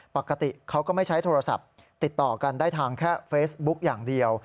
ปกติเขาก็ไม่ใช้โทรศัพท์ติดต่อกันได้ทางแค่เฟซบุ๊กอย่างเดียว